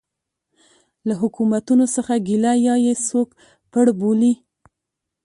له حکومتونو څه ګیله یا یې څوک پړ بولي.